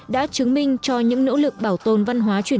đã chứng minh cho những nỗ lực bảo tồn văn hóa